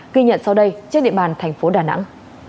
ghi nhận sau đây trên địa bàn thành phố đà nẵng